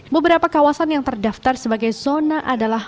beberapa kawasan yang terdaftar sebagai zona adalah